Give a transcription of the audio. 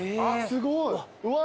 すごいうわ！